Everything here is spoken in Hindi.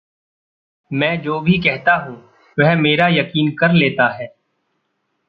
मैं जो भी कहता हूँ वह मेरा यकीन कर लेता है।